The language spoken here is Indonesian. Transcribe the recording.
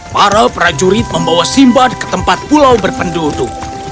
para prajurit membawa simbad ke tempat pulau berpenduduk